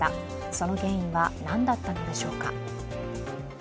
その原因は何だったのでしょうか。